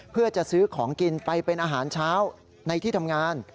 เพื่อจะซื้อของกินไปเป็นอาหารเช้าในที่ทำงาน